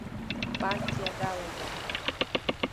Партиа далаӡам.